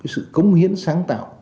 sự công hiến sáng tạo